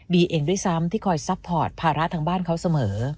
เองด้วยซ้ำที่คอยซัพพอร์ตภาระทางบ้านเขาเสมอ